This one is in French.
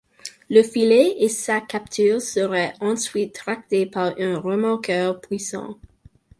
Le filet et sa capture seraient ensuite tractés par un remorqueur puissant.